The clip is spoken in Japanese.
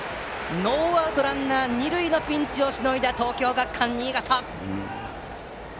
ノーアウトランナー、二塁のピンチをしのいだ東京学館新潟！